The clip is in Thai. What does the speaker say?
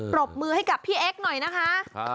รบมือให้กับพี่เอ็กซ์หน่อยนะคะ